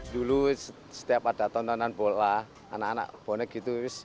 dulu setiap ada tontonan bola anak anak bonek gitu